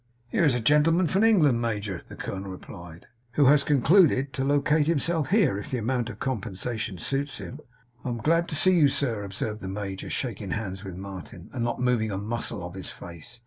'Here is a gentleman from England, major,' the colonel replied, 'who has concluded to locate himself here if the amount of compensation suits him.' 'I am glad to see you, sir,' observed the major, shaking hands with Martin, and not moving a muscle of his face.